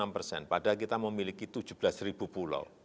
enam persen padahal kita memiliki tujuh belas ribu pulau